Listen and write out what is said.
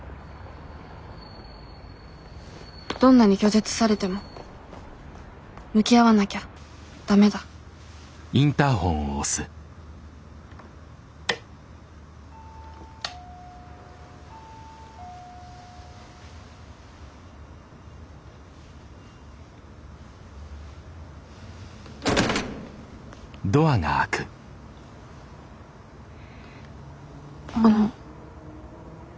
どんなに拒絶されても向き合わなきゃダメだあの。